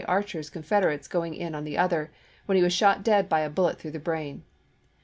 Archer's Confederates going in on the other when he was juiy i, 1863. shot dead by a bullet through the brain.